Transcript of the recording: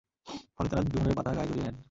ফলে তাঁরা ডুমুরের পাতা গায়ে জড়িয়ে নেন।